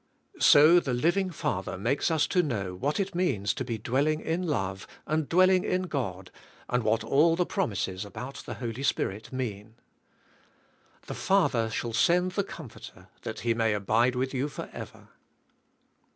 So the Living Father makes us to know skve;n bi^kssings. '^1 what it means to be dwelling in love and dwelling* in God, and what all the promises about the Holy Spirit mean. "The Father shall send the Com forter that He may abide with you for ever."